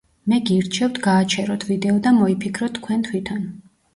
მე გირჩევთ გააჩეროთ ვიდეო და მოიფიქროთ თქვენ თვითონ.